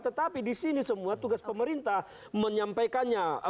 tetapi di sini semua tugas pemerintah menyampaikannya